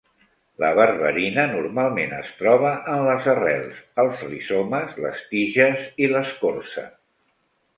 La berberina normalment es troba en les arrels, els rizomes, les tiges i l'escorça.